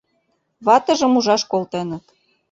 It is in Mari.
— Ватыжым ужаш колтеныт...